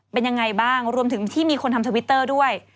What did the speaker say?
เป็นยังไงบ้างรวมถึงที่มีคนทำทวิตเตอร์ด้วย